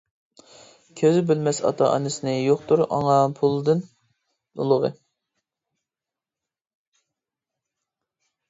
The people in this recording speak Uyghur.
كۆزى بىلمەس ئاتا-ئانىسىنى، يوقتۇر ئاڭا پۇلدىن ئۇلۇغى.